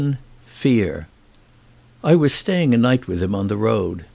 46 XI FEAR I WAS staying a night with him on the road.